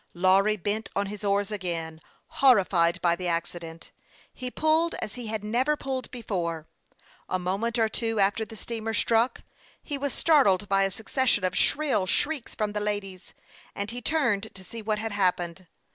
Lawry bent on his oars again, horrified by the accident. He pulled as he had never pulled before. A moment or two after the steamer struck, he was startled by a succession of shrill shrieks from the ladies, and he turned to see what had happened.